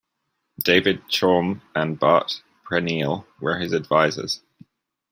David Chaum and Bart Preneel were his advisors.